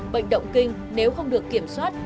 bệnh động kinh nếu không được kiểm soát